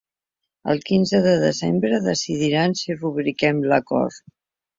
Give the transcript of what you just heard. El quinze de desembre decidiran si rubriquen l’acord.